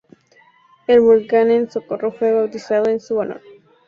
El volcán en Socorro fue bautizado en su honor.